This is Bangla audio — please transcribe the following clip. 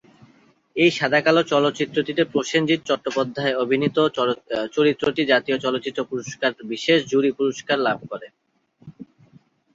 এই সাদাকালো চলচ্চিত্রটিতে প্রসেনজিৎ চট্টোপাধ্যায় অভিনীত চরিত্রটি জাতীয় চলচ্চিত্র পুরস্কার -বিশেষ জুরি পুরস্কার/ লাভ করে।